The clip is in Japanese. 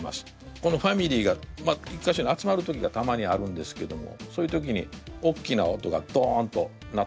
このファミリーが１か所に集まる時がたまにあるんですけどもそういう時におっきな音がドンと鳴ったりとかするとですね